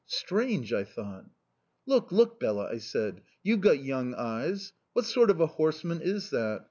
'Strange!' I thought. "'Look, look, Bela,' I said, 'you've got young eyes what sort of a horseman is that?